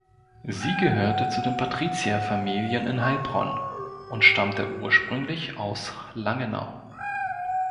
Sie gehörte zu den Patrizierfamilien in Heilbronn und stammte ursprünglich aus Langenau.